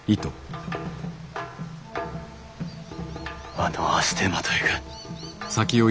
あの足手まといが。